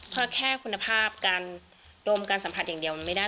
เพราะแค่คุณภาพการดมการสัมผัสอย่างเดียวมันไม่ได้